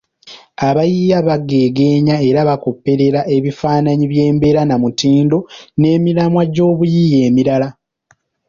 Abayiiya bageegeenya era abakopperera ebifaananyi by’embeera nnamutindo n’emiramwa gy’obuyiiya emirala.